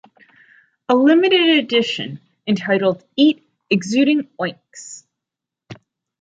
A limited edition, entitled Eat Exuding Oinks!